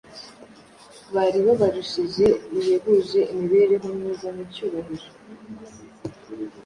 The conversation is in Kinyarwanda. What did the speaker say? bari babarushije bihebuje imibereho myiza n'icyubahiro,